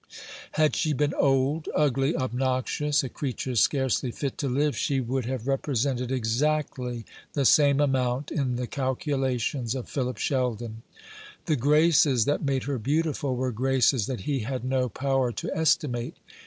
Had she been old, ugly, obnoxious, a creature scarcely fit to live, she would have represented exactly the same amount in the calculations of Philip Sheldon. The graces that made her beautiful were graces that he had no power to estimate.